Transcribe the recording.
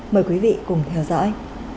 mời quý vị cùng theo dõi